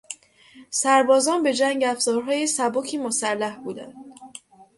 سربازان به جنگ افزارهای سبکی مسلح بودند.